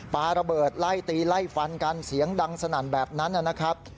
ปลาระเบิดไล่ตีไล่ฟันกันเสียงดังสนั่นแบบนั้นนะครับ